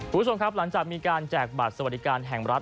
คุณผู้ชมครับหลังจากมีการแจกบัตรสวัสดิการแห่งรัฐ